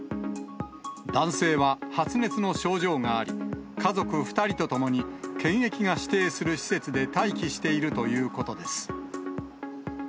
男性は発熱の症状があり、家族２人と共に検疫が指定する施設で待機しているということです。